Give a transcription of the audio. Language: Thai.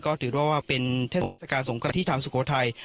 ก็ถือได้ว่าเป็นเทศกาลสงครานที่ชาวสุโขทัย